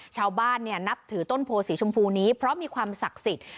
ชาวบ้านนับถือต้นโพสีชมพูนี้เพราะมีความศักดิ์สิทธิ์